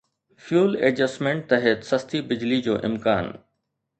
fuel adjustment تحت سستي بجلي جو امڪان